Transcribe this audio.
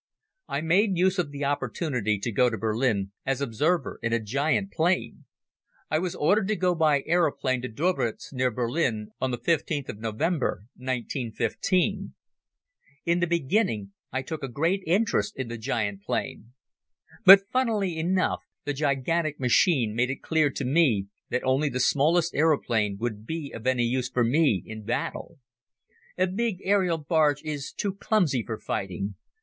I made use of the opportunity to go to Berlin as observer in a giant plane. I was ordered to go by aeroplane to Döberitz near Berlin on the fifteenth of November, 1915. In the beginning I took a great interest in the giant plane. But funnily enough the gigantic machine made it clear to me that only the smallest aeroplane would be of any use for me in battle. A big aerial barge is too clumsy for fighting.